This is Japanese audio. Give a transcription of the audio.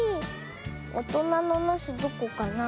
おとなのなすどこかな？